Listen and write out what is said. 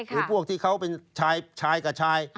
หรือพวกที่เขาเป็นชายกับชาย